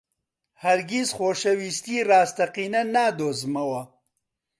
هەرگیز خۆشەویستیی ڕاستەقینە نادۆزمەوە.